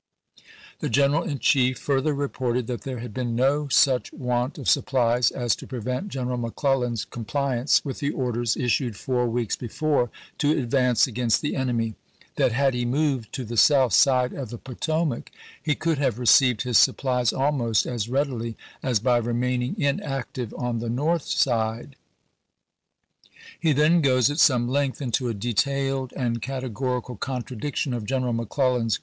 The General in Chief further reported that there had been no such want of supplies as to prevent General Mc Clellan's compliance with the orders issued four weeks before, to advance against the enemy ; that " had he moved to the south side of the Potomac ■ he could have received his supplies almost as read ily as by remaining inactive on the north side." He then goes at some length into a detailed and Vol. XIX., categorical contradiction of General McClellan's pp.